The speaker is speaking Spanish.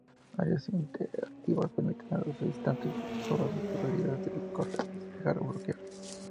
Áreas interactivas permiten a los visitantes probar sus habilidades al correr, despejar o bloquear.